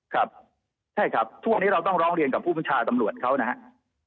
ครับใช่ครับช่วงนี้เราต้องร้องเรียนกับผู้บัญชาการตำรวจเขานะครับ